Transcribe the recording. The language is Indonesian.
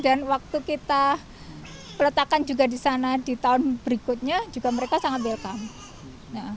dan waktu kita peletakan juga di sana di tahun berikutnya juga mereka sangat welcome